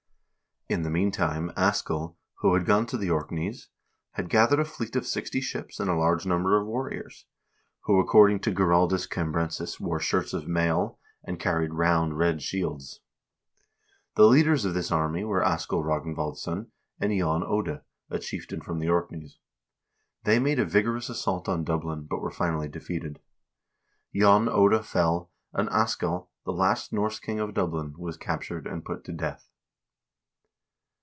In the meantime Askell, who had gone to the Orkneys, had gathered a fleet of sixty ships and a large number of warriors, who, according to Giraldus Cambrensis, wore shirts of mail, and carried THE ENGLISH CONQUEST OF IRELAND 371 round, red shields.1 The leaders of this army were Askell Ragnvalds son and Jon Ode, a chieftain from the Orkneys. They made a vigor ous assault on Dublin, but were finally defeated. Jon Ode fell, and Askell, the last Norse king of Dublin, was captured and put to death.